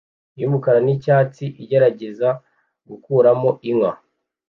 yumukara nicyatsi igerageza gukuramo inka